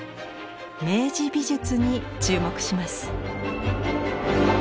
明治美術に注目します。